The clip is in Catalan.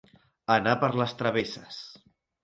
Anar per les travesses.